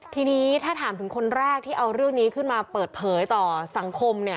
ทีนี้ถ้าถามถึงคนแรกที่เอาเรื่องนี้ขึ้นมาเปิดเผยต่อสังคมเนี่ย